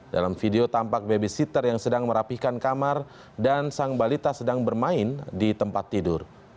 dalam video tampak babysitter yang sedang merapikan kamar dan sang balita sedang bermain di tempat tidur